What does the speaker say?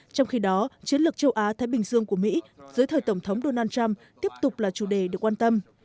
trong khi đó chiến lược châu á thái bình dương của mỹ dưới thời tổng thống donald trump tiếp tục là chủ đề được quan tâm